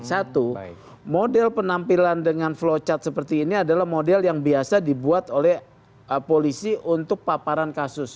satu model penampilan dengan flow chart seperti ini adalah model yang biasa dibuat oleh polisi untuk paparan kasus